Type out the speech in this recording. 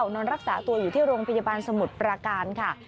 นอนรักษาตัวอยู่ที่โรงพยาบาลสมุทรปราการค่ะ